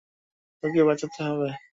তোকে বাঁচতে হবে।